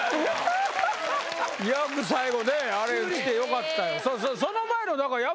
よく最後ねあれきてよかったよ